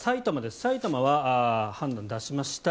埼玉は判断を出しました。